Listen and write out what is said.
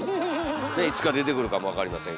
いつか出てくるかもわかりませんから。